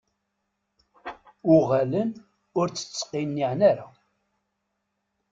Uɣalen ur tt-ttqiniɛen ara .